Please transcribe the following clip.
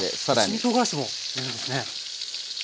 一味とうがらしも入れるんですね。